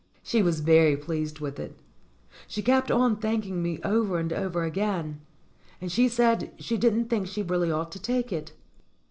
She was very pleased with it. She kept on thanking me over and over again. And she said she didn't think she really ought to take it.